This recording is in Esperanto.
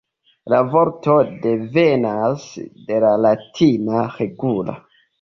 La vorto devenas de la latina "regula".